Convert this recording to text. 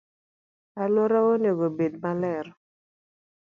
Aluorawa onego obed maler.